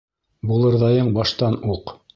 Булырҙайың баштан уҡ.